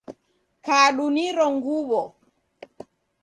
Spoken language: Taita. Kadu niro ng uw'o.